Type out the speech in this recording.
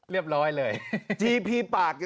เรียบร้อยเลย